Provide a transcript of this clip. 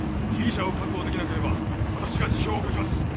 被疑者を確保できなければ私が辞表を書きます。